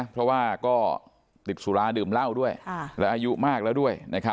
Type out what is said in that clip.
เพราะว่าก็ติดสุราดื่มเหล้าด้วยและอายุมากแล้วด้วย